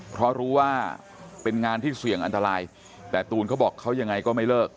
เพราะรู้ว่าเป็นงานที่เสี่ยงอันตรายแต่ตูนเขาบอกเขายังไงก็ไม่เลิก